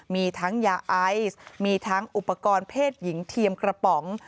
มีทั้งยาไอซ์มีทั้งอุปกรณ์เพศหญิงเทียมกระป๋อง